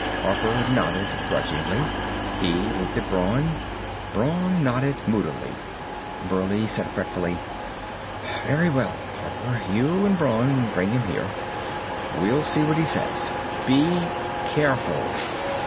Harper nodded grudgingly. He looked at Brawn. Brawn nodded moodily. Burleigh said fretfully. "Very well ... Harper, you and Brawn bring him here. We'll see what he says. Be careful!"